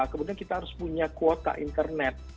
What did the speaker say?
kemudian kita harus punya kuota internet